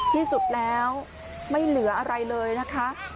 ที่สุดแล้วไม่เหลืออะไรเลยนะคะ